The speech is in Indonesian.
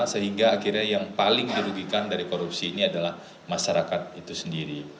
sehingga akhirnya yang paling dirugikan dari korupsi ini adalah masyarakat itu sendiri